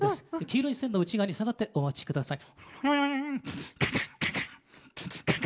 黄色い線の内側に下がってお待ちください。